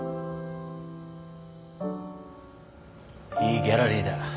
いいギャラリーだ。